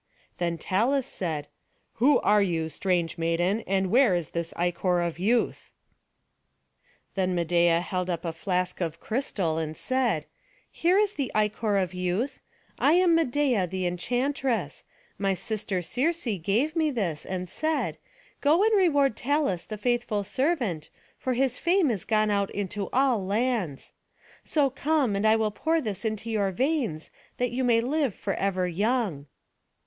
Then Talus said, "Who are you, strange maiden; and where is this ichor of youth?" Then Medeia held up a flask of crystal, and said, "Here is the ichor of youth. I am Medeia the enchantress; my sister Circe gave me this, and said, 'Go and reward Talus the faithful servant, for his fame is gone out into all lands.' So come, and I will pour this into your veins, that you may live forever young."